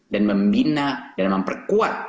dan membina dan memperkuat